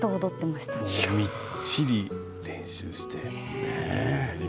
みっちり練習して。